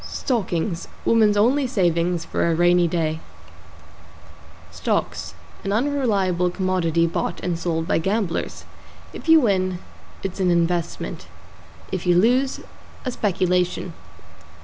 =STOCKINGS= Woman's only savings for A Rainy Day. =STOCKS= An unreliable commodity bought and sold by gamblers. If you win, it's an investment; if you lose, a speculation.